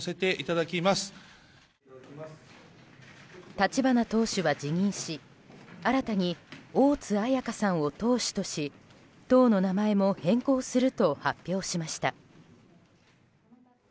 立花党首は辞任し、新たに大津綾香さんを党首とし党の名前も変更すると発表しました。